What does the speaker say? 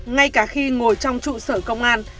ngay cả khi ngồi trong trụ sở công an